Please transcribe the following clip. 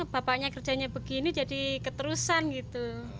bapaknya kerjanya begini jadi keterusan gitu